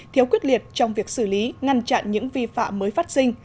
thiếu quyết liệt trong việc xử lý ngăn chặn những vi phạm mới phát sinh